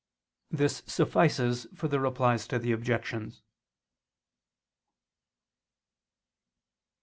This suffices for the Replies to the Objections.